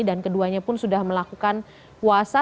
dan keduanya pun sudah melakukan puasa